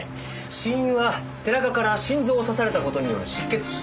死因は背中から心臓を刺された事による失血死。